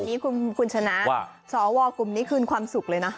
ต้องบอกแบบนี้คุณชนะว่าสวกลุ่มนี้คืนความสุขเลยนะ